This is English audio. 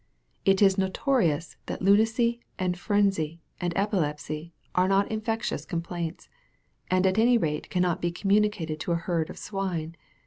It is notorious that lunacy, and frenzy, and epilepsy are not infectious com plaints, and at any rate cannot be communicated to a herd of swine